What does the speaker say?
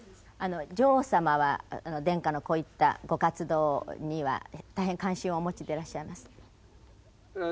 女王様は殿下のこういったご活動には大変関心をお持ちでいらっしゃいます？